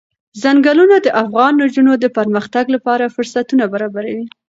ځنګلونه د افغان نجونو د پرمختګ لپاره فرصتونه برابروي.